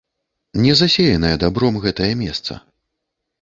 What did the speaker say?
Не засеянае дабром гэтае месца.